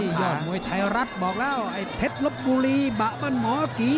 นี่เลยยอดมวยไทยรัฐบอกแล้วไอ้เผ็ดลบบุรีบะมันหมอกี